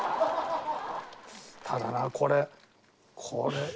ただなこれこれ。